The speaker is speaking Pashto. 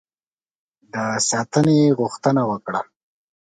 د ساتنې غوښتنه وکړه.